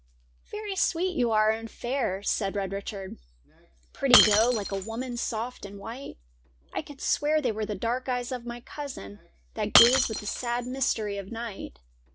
' Very sweet you are and fair,' said Red Richard, ' Pretty doe, like a woman soft and white ; I could swear they were the dark eyes of my cousin That gaze with the sad mystery of night.'